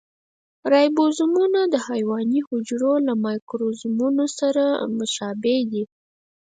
رایبوزومونه د حیواني حجرو له مایکروزومونو سره مشابه دي.